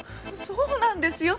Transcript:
そうなんですよ。